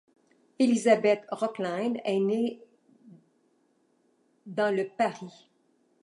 Élisabeth Rochline est née le dans le de Paris.